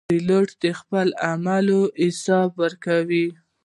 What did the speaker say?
پیلوټ د خپلو عملو حساب ورکوي.